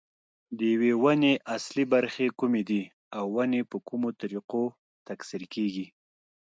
د یوې ونې اصلي برخې کومې دي او ونې په کومو طریقو تکثیر کېږي.